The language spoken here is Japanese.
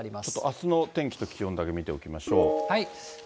あすの天気と気温だけ見ておきましょう。